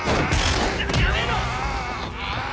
やめろ！